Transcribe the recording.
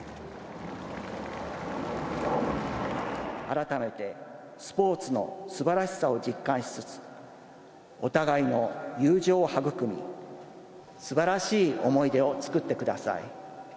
改めて、スポーツのすばらしさを実感しつつ、お互いの友情を育み、すばらしい思い出を作ってください。